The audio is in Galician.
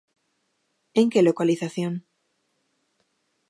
¿En que localización?